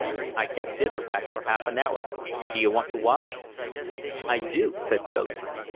"I kept dinner back for half an hour. D'you want to wash?" "I do," said Philip.